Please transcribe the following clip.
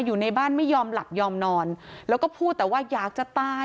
อยู่ในบ้านไม่ยอมหลับยอมนอนแล้วก็พูดแต่ว่าอยากจะตาย